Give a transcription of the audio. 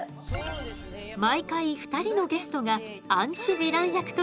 毎回２人のゲストがアンチヴィラン役として登場。